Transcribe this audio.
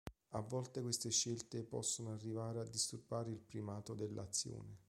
A volte queste scelte possono arrivare a disturbare il primato dell'azione.